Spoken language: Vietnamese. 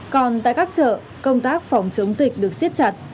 còn tại các chợ công tác phòng chống dịch được siết chặt